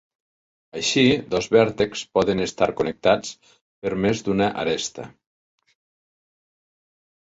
Així, dos vèrtexs poden estar connectats per més d'una aresta.